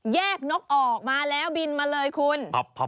นกออกมาแล้วบินมาเลยคุณ